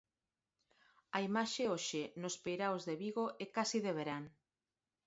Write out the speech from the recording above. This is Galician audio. A imaxe hoxe nos peiraos de Vigo é case de verán.